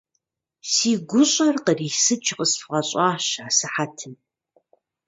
Си гущӀэр кърисыкӀ къысфӀэщӀащ асыхьэтым.